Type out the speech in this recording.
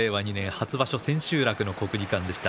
初場所の千秋楽の国技館でした。